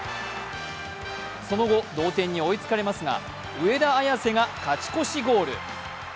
その後、同点に追いつかれますが上田綺世が勝ち越しゴール。